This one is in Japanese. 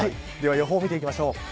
予報を見ていきましょう。